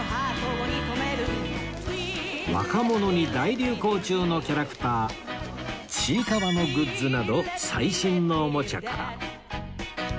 若者に大流行中のキャラクターちいかわのグッズなど最新のおもちゃから